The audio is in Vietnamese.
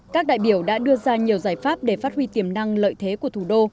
các đại biểu đã đưa ra nhiều giải pháp để phát huy tiềm năng lợi thế của thủ đô